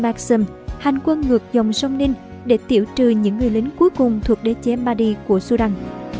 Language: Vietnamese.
giúp ông và maxim hành quân ngược dòng sông ninh để tiểu trừ những người lính cuối cùng thuộc đế chế mahdi của sudan